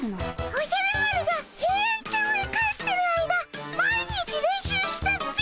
おじゃる丸がヘイアンチョウへ帰ってる間毎日練習したっピ。